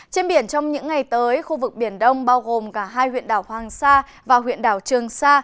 trên biển trong những ngày tới khu vực biển đông bao gồm cả hai huyện đảo hoàng sa và huyện đảo trường sa